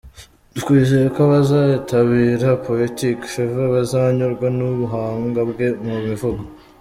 Twizeye ko abazitabira Poetic Fever bazanyurwa n’ubuhanga bwe mu mivugo.